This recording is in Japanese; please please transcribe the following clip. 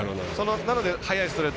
なので速いストレート